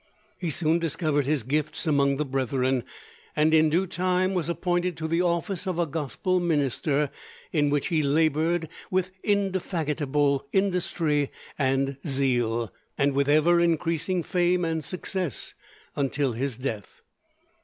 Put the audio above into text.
He soon discovered his gifts among the brethren, and in due time was appointed to the office of a gospel minister, in which he labored with indefatigable industry and zeal, and with ever increasing fame and success, until his death.